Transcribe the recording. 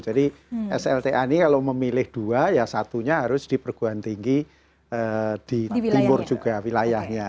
jadi slta ini kalau memilih dua ya satunya harus di perguahan tinggi di timur juga wilayahnya